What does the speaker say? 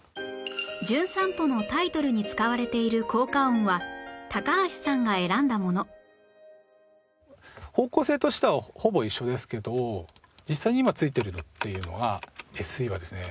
『じゅん散歩』のタイトルに使われている効果音は高橋さんが選んだもの方向性としてはほぼ一緒ですけど実際に今ついてるのっていうのが ＳＥ はですね